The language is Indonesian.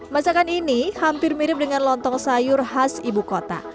masakan ini hampir mirip dengan lontong sayur khas ibu kota